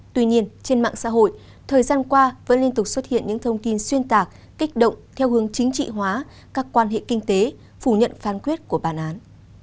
tuy nhiên trên mạng xã hội thời gian qua vẫn liên tục xuất hiện những thông tin xuyên tạc kích động theo hướng chính trị hóa các quan hệ kinh tế phủ nhận phán quyết của bản án